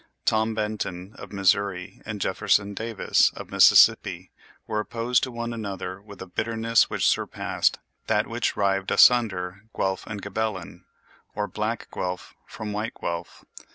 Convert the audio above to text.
Tom Benton, of Missouri, and Jefferson Davis, of Mississippi, were opposed to one another with a bitterness which surpassed that which rived asunder Guelph from Ghibellin, or black Guelph from white Guelph.